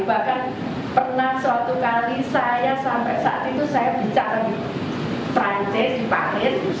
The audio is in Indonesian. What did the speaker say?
bahkan pernah suatu kali saya sampai saat itu saya bicara di perancis di paris